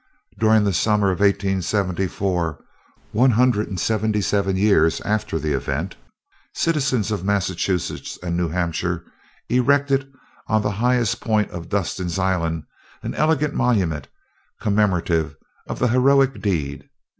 During the summer of 1874, one hundred and seventy seven years after the event, citizens of Massachusetts and New Hampshire erected on the highest point of Dustin's Island an elegant monument, commemorative of the heroic deed.